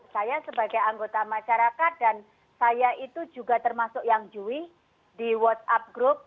saya sebagai anggota masyarakat dan saya itu juga termasuk yang jui di whatsapp group